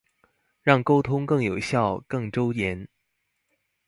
讓溝通更有效、更周延